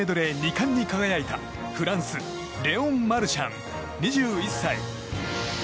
冠に輝いたフランスレオン・マルシャン、２１歳。